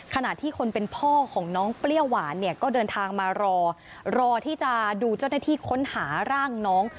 ขณะที่คนเป็นพ่อของน้องเปรี้ยวหวานเนี่ยก็เดินทางมารอรอที่จะดูเจ้าหน้าที่ค้นหาร่างน้อง